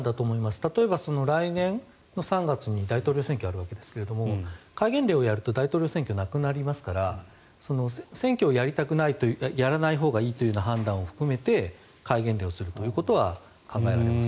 例えば来年３月に大統領選挙があるわけですが戒厳令をやると大統領選挙がなくなりますから選挙をやらないほうがいいという判断を含めて戒厳令をするということは考えられます。